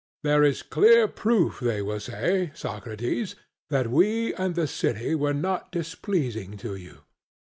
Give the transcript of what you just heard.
'There is clear proof,' they will say, 'Socrates, that we and the city were not displeasing to you.